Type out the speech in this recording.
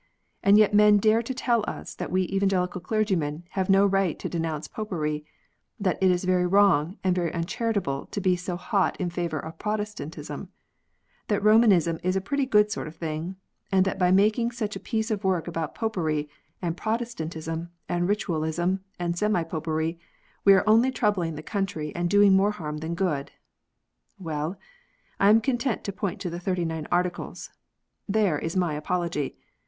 And yet men dare to tell us that we Evangelical clergymen have no right to denounce Popery, that it is very wrong and very uncharitable to be so hot in favour of Protestantism, that Romanism is a pretty good sort of thing, and that by making such a piece of work about Popery, and Protestantism, and Ritualism, and semi Popery, we are only troubling the country and doing more harm than good. Well ! I am content to point to the Thirty nine Articles. There is my apology